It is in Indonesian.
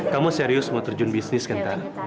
kamu serius mau terjun bisnis kentar